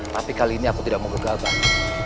tapi kali ini aku tidak mau gagal bang